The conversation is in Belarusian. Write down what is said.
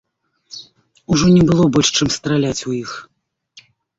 Ужо не было больш чым страляць у іх.